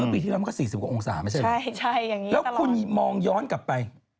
ปีที่แล้วมันก็๔๐กว่าองศาไม่ใช่เหรอแล้วคุณมองย้อนกลับไป